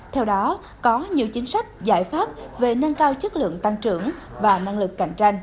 theo đó có nhiều chính sách giải pháp về nâng cao chất lượng tăng trưởng và năng lực cạnh tranh